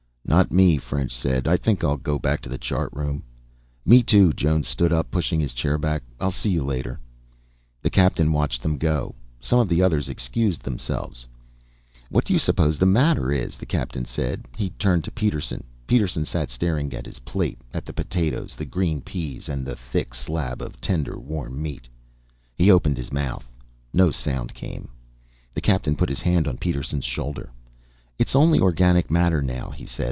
"Not me," French said. "I think I'll go back to the chart room." "Me, too." Jones stood up, pushing his chair back. "I'll see you later." The Captain watched them go. Some of the others excused themselves. "What do you suppose the matter is?" the Captain said. He turned to Peterson. Peterson sat staring down at his plate, at the potatoes, the green peas, and at the thick slab of tender, warm meat. He opened his mouth. No sound came. The Captain put his hand on Peterson's shoulder. "It is only organic matter, now," he said.